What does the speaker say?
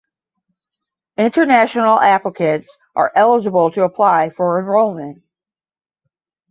International applicants are eligible to apply for enrollment.